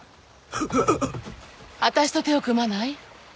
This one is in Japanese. あたしと手を組まない？